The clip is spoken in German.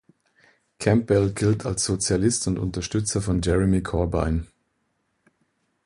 Campbell gilt als Sozialist und Unterstützer von Jeremy Corbyn.